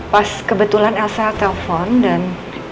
pas kebetulan elsa telpon dan